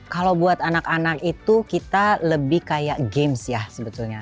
kalau buat anak anak itu kita lebih kayak games ya sebetulnya